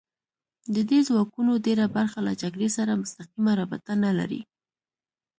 د دې ځواکونو ډېره برخه له جګړې سره مستقیمه رابطه نه لري